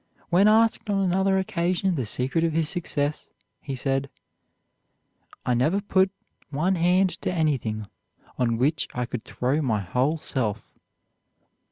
When asked on another occasion the secret of his success, he said: "I never put one hand to anything on which I could throw my whole self."